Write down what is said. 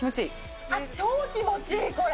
超気持ちいい、これ。